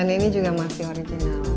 dan ini juga masih original